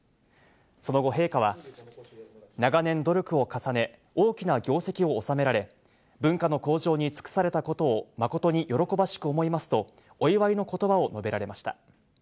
その後、陛下は長年、努力を重ね、大きな業績をおさめられ、文化の向上に尽くされたことを誠に喜ばしく思いますとお祝いの言葉を述べられました。